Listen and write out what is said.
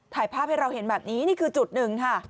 ถ่ายภาพให้เราเห็นแบบนี้นี่คือจุดหนึ่งค่ะ